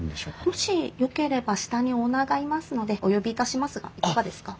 もしよければ下にオーナーがいますのでお呼びいたしますがいかがですか？